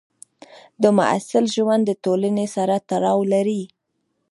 د محصل ژوند د ټولنې سره تړاو لري.